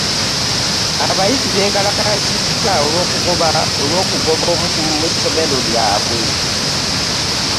Abayizi beekalakaasizza olw'okugoba omukulu w'essomero lyabwe.